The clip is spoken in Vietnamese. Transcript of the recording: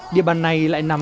địa bàn này lại nằm